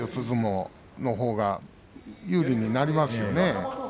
相撲のほうが有利になりますよね。